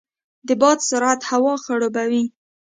د باد سرعت هوا خړوبوي.